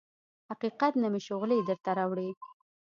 حقیقت نه مې شغلې درته راوړي